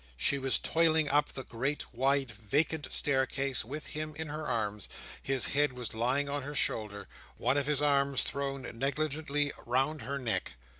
She was toiling up the great, wide, vacant staircase, with him in her arms; his head was lying on her shoulder, one of his arms thrown negligently round her neck.